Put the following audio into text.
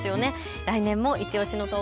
来年もいちオシの投稿